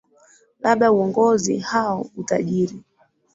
labda uongozi hao utajiri